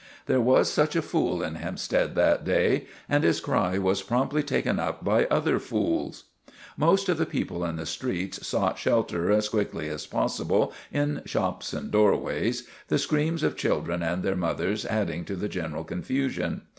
There was such a fool in Hempstead that day, and his cry was promptly taken up by other fools. 3 o 4 THE RETURN OF THE CHAMPION Most of the people in the streets sought shelter as quickly as possible in shops and doorways, the screams of children and their mothers adding to the general confusion.